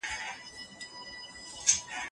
سیاست به ځواک او قدرت ته اړتیا ولري.